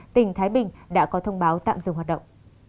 tỉnh thái bình đã có thông báo tạm dừng hoạt động